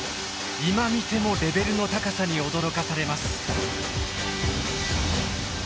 今見てもレベルの高さに驚かされます。